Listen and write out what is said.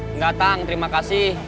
enggak tang terima kasih